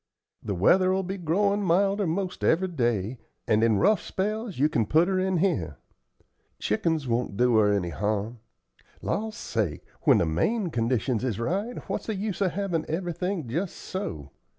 The weather'll be growin' milder 'most every day, and in rough spells you can put her in here. Chickens won't do her any harm. Law sakes! when the main conditions is right, what's the use of havin' everything jes' so?